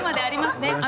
ありますね。